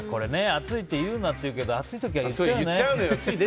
暑いって言うなって言うけど暑い時は言っちゃうよね。